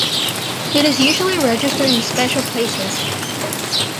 It is usually registered in special places.